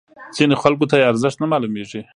ځینو خلکو ته یې ارزښت نه معلومیږي.